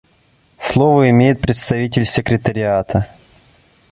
Слово имеет представитель Секретариата.